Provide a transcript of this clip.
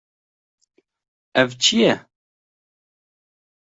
Ev çi ye?